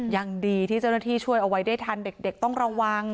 ยังดีที่เจ้าหน้าที่ช่วยเอาไว้ได้ทันเด็กต้องระวัง